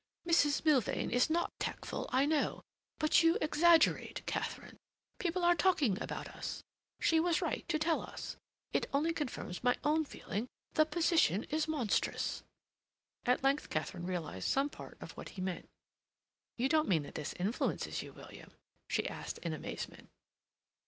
"Mrs. Milvain is not tactful, I know, but you exaggerate, Katharine. People are talking about us. She was right to tell us. It only confirms my own feeling—the position is monstrous." At length Katharine realized some part of what he meant. "You don't mean that this influences you, William?" she asked in amazement.